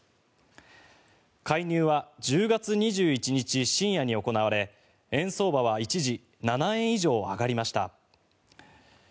介入は１０月２１日深夜に行われ円相場は一時、７円以上上がりました。